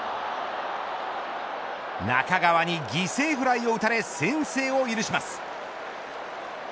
中川に犠牲フライを打たれ先制を許します。